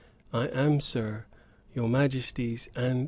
I am, Sir, 'Your Majesty's, &c.'